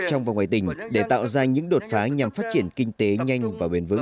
trong và ngoài tỉnh để tạo ra những đột phá nhằm phát triển kinh tế nhanh và bền vững